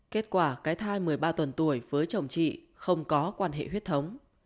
kết quả cái thai một mươi ba tuần tuổi với chồng chị không có quan hệ huyết thống